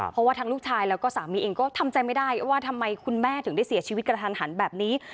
เพราะว่าทั้งลูกชายแล้วก็สามีเองก็ทำใจไม่ได้ว่าทำไมคุณแม่ถึงได้เสียชีวิตกระทันหันแบบนี้